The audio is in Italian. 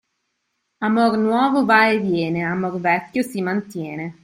Amor nuovo va e viene, amor vecchio si mantiene.